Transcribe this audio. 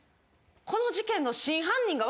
この事件の真犯人が分かった？